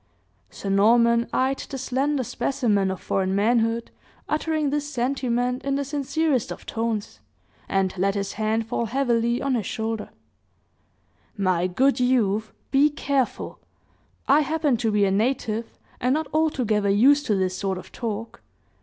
Sir Norman eyed the slender specimen of foreign manhood, uttering this sentiment in the sincerest of tones, and let his hand fall heavily on his shoulder. "My good youth, be careful! I happen to be a native, and not altogether used to this sort of talk.